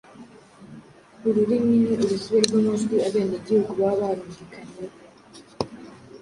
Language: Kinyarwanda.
Ururimi ni urusobe rw’amajwi abenegihugu baba barumvikanyeho,